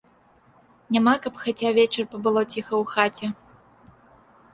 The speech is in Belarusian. Няма, каб хаця вечар пабыло ціха ў хаце.